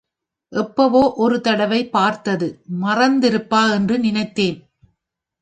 எப்பவோ ஒரு தடவை பார்த்தது, மறந்திருப்பா என்று நினைத்தேன்.